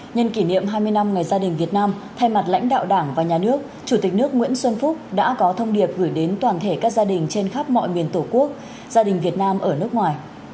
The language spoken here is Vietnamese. nhân kỷ niệm hai mươi năm ngày gia đình việt nam thay mặt lãnh đạo đảng và nhà nước chủ tịch nước nguyễn xuân phúc đã có thông điệp gửi đến toàn thể các gia đình trên khắp mọi miền tổ quốc gia đình việt nam ở nước ngoài